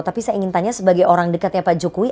tapi saya ingin tanya sebagai orang dekatnya pak jokowi